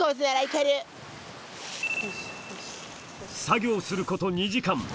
作業すること２時間。